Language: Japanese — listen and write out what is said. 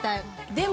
でも。